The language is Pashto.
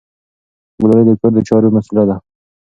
ګلالۍ د کور د چارو مسؤله ده.